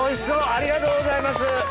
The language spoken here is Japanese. ありがとうございます。